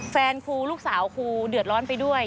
แฟนครูลูกสาวครูเดือดร้อนไปด้วย